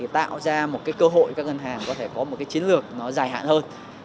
tạo ra một cơ hội cho các ngân hàng có thể có một chiến lược dài hạn hơn